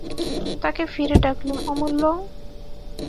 তাকে ফিরে ডাকলুম, অমূল্য!